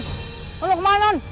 kamu mau kemana non